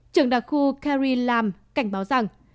trường đặc khu carrie lam cảnh báo rằng